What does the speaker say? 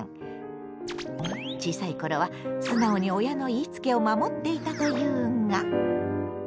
小さい頃は素直に親の言いつけを守っていたというが。